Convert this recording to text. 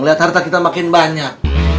lihat harta kita makin banyak